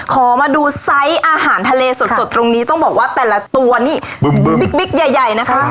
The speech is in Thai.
ขอมาดูไซส์อาหารทะเลสดตรงนี้ต้องบอกว่าแต่ละตัวนี่บึ้มบิ๊กใหญ่นะคะ